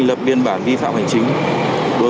chúng tôi sẽ đo lọc lại bằng nước xong chúng tôi đi đo lại